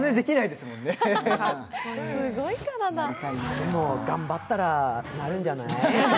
でも、頑張ったらなるんじゃない？